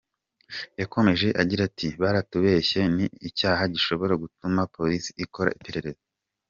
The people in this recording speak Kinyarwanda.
Yakomeje agira ati “Baratubeshye ni n’icyaha gishobora gutuma Polisi ikora iperereza.